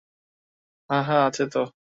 হ্যাঁ, হ্যাঁ, আছে তো।